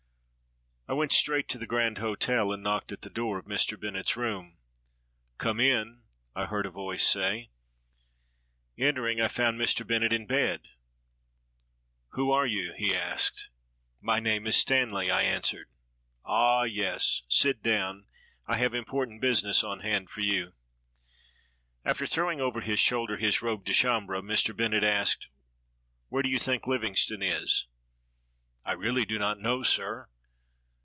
] I WENT straight to the Grand Hotel, and knocked at the door of Mr. Bennett's room. "Come in," I heard a voice say. Entering, I found Mr. Bennett in bed. "Who are you?" he asked. "My name is Stanley," I answered. "Ah, yes! sit down; I have important business on hand for you." After throwing over his shoulders his robe de chamhre, Mr. Bennett asked, "Where do you think Livingstone is?" "I really do not know, sir!"